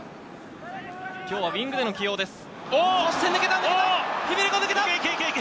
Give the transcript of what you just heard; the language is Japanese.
今日はウイングでの起用です。